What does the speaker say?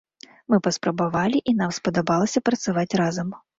Мы паспрабавалі, і нам спадабалася працаваць разам.